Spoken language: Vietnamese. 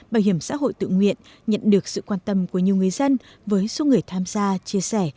bảo hiểm xã hội tự nguyện nhận được sự quan tâm của nhiều người dân với số người tham gia chia sẻ